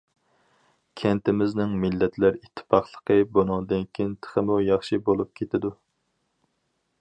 كەنتىمىزنىڭ مىللەتلەر ئىتتىپاقلىقى بۇنىڭدىن كېيىن تېخىمۇ ياخشى بولۇپ كېتىدۇ.